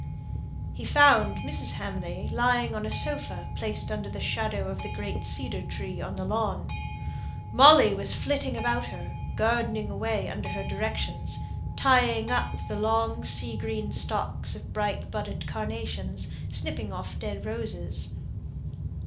He found Mrs. Hamley lying on a sofa placed under the shadow of the great cedar tree on the lawn. Molly was flitting about her, gardening away under her directions; tying up the long sea green stalks of bright budded carnations, snipping off dead roses.